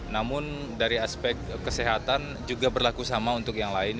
namun dari aspek kesehatan juga berlaku sama untuk yang lain